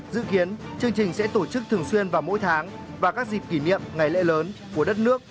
dự kiến chương trình sẽ tổ chức thường xuyên vào mỗi tháng và các dịp kỷ niệm ngày lễ lớn của đất nước